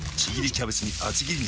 キャベツに厚切り肉。